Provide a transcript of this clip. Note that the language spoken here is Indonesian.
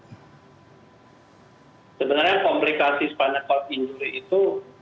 sebenarnya komplikasi spinal cord injury itu